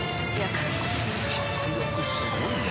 迫力すごいね。